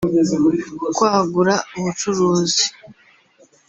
kwagura ubucuruzi